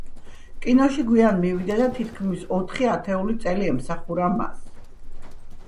კინოში გვიან მივიდა და თითქმის ოთხი ათეული წელი ემსახურა მას.